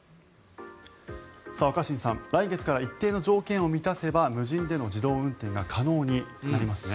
若新さん来月から一定の条件を満たせば無人での自動運転が可能になりますね。